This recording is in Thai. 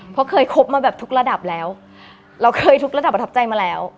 เพราะเคยคบมาแบบทุกระดับแล้วเราเคยทุกระดับประทับใจมาแล้ว